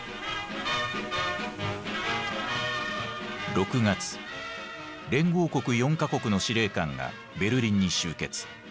６月連合国４か国の司令官がベルリンに集結。